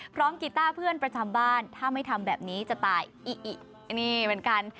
กีต้าเพื่อนประจำบ้านถ้าไม่ทำแบบนี้จะตายอิอินี่เหมือนกัน